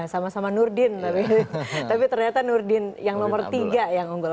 sama sama nurdin tapi ternyata nurdin yang nomor tiga yang unggul